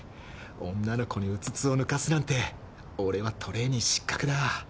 女の子にうつつを抜かすなんて俺はトレーニー失格だ。